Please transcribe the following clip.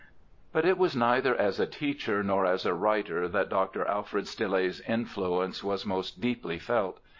But it was neither as a teacher nor as a writer that Dr. Alfred Stille's influence was most deeply felt.